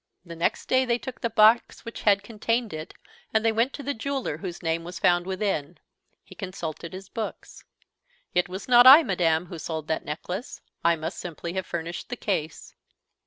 The next day they took the box which had contained it, and they went to the jeweler whose name was found within. He consulted his books. "It was not I, madame, who sold that necklace; I must simply have furnished the case."